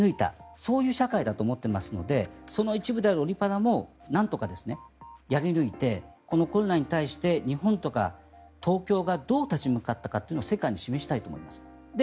そういう社会だと思っていますのでその一部であるオリ・パラもなんとかやり抜いてこのコロナに対して日本とか東京がどう立ち向かったかというのを世界に示したいと思います。